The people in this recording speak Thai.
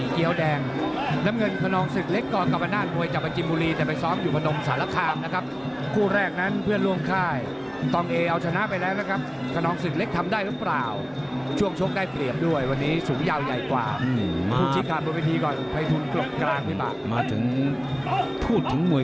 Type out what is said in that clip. การผ่านมวยทุกอย่างได้เปรียบแน่นอน